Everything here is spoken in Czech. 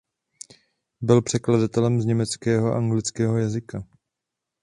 Byl překladatelem z německého a anglického jazyka.